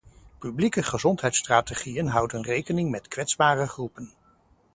Publieke gezondheidsstrategieën houden rekening met kwetsbare groepen.